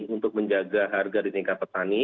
untuk menjaga harga dinikah petani